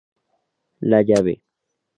La llave.